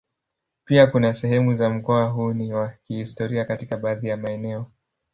Pia kuna sehemu za mkoa huu ni wa kihistoria katika baadhi ya maeneo.